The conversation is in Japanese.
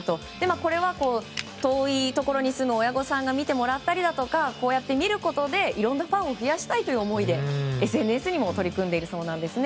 これは遠いところに住む親御さんに見てもらったりこうやって見ることでいろんなファンを増やしたいという思いでＳＮＳにも取り組んでいるそうです。